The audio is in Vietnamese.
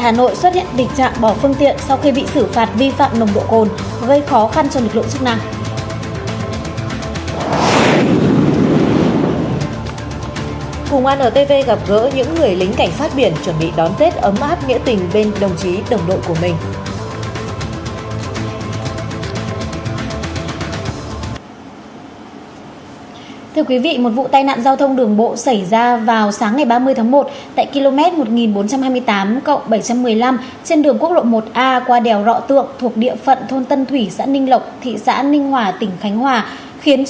hãy đăng ký kênh để nhận thông tin nhất